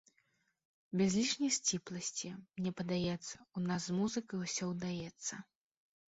Без лішняй сціпласці, мне падаецца, у нас з музыкай усё ўдаецца.